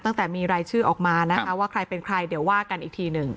ตั้งแต่มีรายชื่อออกมานะคะว่าใครเป็นใครเดี๋ยวว่ากันอีกทีหนึ่ง